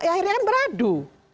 ya akhirnya kan beradu